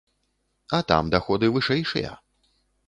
А там даходы вышэйшыя.